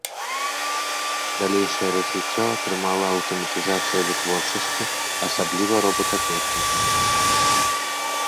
Далейшае развіццё атрымала аўтаматызацыя вытворчасці, асабліва робататэхніка.